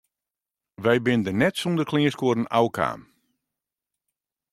Wy binne der net sûnder kleanskuorren ôfkaam.